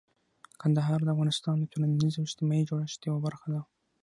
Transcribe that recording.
کندهار د افغانستان د ټولنیز او اجتماعي جوړښت یوه برخه ده.